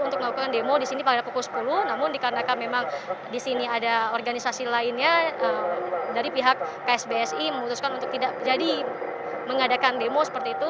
untuk melakukan demo di sini pada pukul sepuluh namun dikarenakan memang di sini ada organisasi lainnya dari pihak ksbsi memutuskan untuk tidak jadi mengadakan demo seperti itu